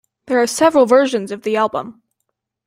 There are several versions of the album.